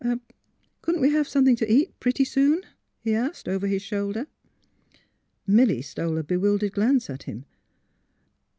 ^' Couldn't we have something to eat pretty soon? " he asked, over his shoulder. Milly stole a bewildered glance at him.